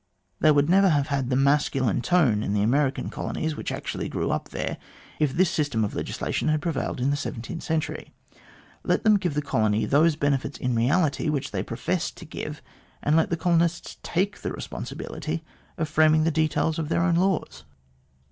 They would never have had that masculine tone in the American colonies, which actually grew up there, if this system of legislation had prevailed in the seventeenth century. Let them give the colonies those benefits in reality which they professed to give, and let the colonists take the responsibility of framing the details of their own laws.